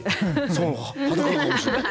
そう裸かもしれない。